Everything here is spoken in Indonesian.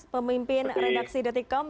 pemimpin redaksi dtkom